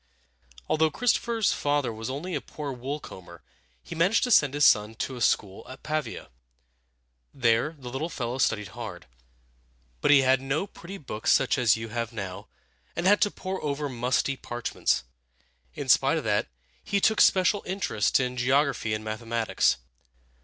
Although Christopher's father was only a poor wool comber, he managed to send his son to school at Pavia (pah ve´a). There the little fellow studied hard. But he had no pretty books such as you have now, and had to pore over musty parchments. In spite of that, he took special interest in geography and mathematics.